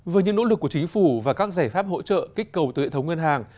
với những nỗ lực của chính phủ và các giải pháp hỗ trợ kích cầu từ hệ thống ngân hàng